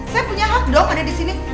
saya punya hak dong ada di sini